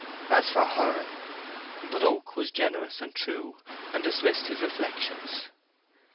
As for her—But Oak was generous and true, and dismissed his reflections.